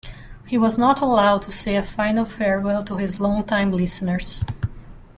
He was not allowed to say a final farewell to his long-time listeners.